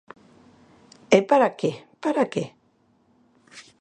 E, ¿para que?, ¿para que?